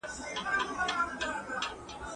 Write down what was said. د مطالعې کلتور د علم کچه لوړوي.